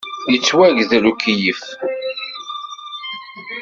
Yettwagdel ukeyyef!